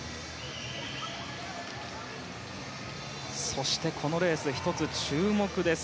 そして、このレース１つ注目です。